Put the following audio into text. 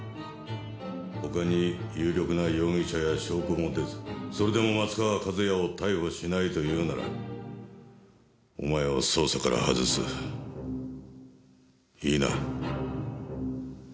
他に有力な容疑者や証拠も出ずそれでも松川一弥を逮捕しないと言うならお前を捜査から外す。いいな？